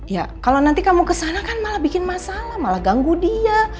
ya kalau nanti kamu kesana kan malah bikin masalah malah ganggu dia